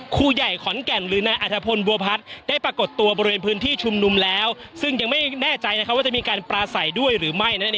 ครูใหญ่ขอนแก่นหรือนาอาทธพลบัวพัดได้ปรากฏตัวบริเวณพื้นที่ชุมนุมแล้วซึ่งยังไม่แน่ใจนะครับว่าจะมีการปลาใส่ด้วยหรือไม่นั่นเองนะครับ